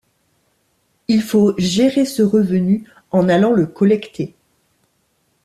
Il faut gérer ce revenu, en allant le collecter.